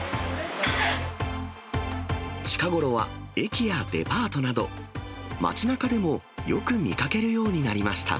近ごろは、駅やデパートなど、街なかでもよく見かけるようにな